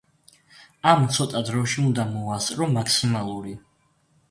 ამ ცოტა დროში უნდა მოასწრო მაქსიმალური.